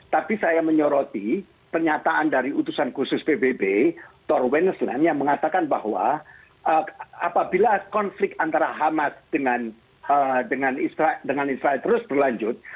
tapi saya menyoroti pernyataan dari utusan khusus pbb thor wennesland yang mengatakan bahwa apabila konflik antara hamas dengan israel terus berlanjut